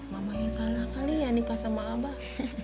mamanya sana kali ya nikah sama abah